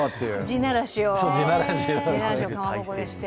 地ならしをかまぼこでして。